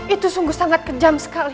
itu sungguh sangat kejam sekali